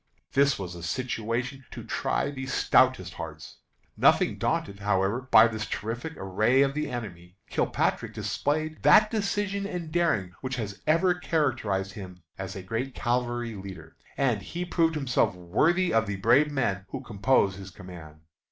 This was a situation to try the stoutest hearts. Nothing daunted, however, by this terrific array of the enemy, Kilpatrick displayed that decision and daring which have ever characterized him as a great cavalry leader, and he proved himself worthy of the brave men who compose his command.